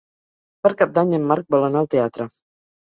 Per Cap d'Any en Marc vol anar al teatre.